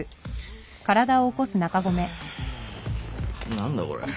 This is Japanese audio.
何だこれ。